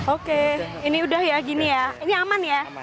oke ini udah ya gini ya ini aman ya